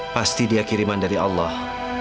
pasti dia kiriman dari allah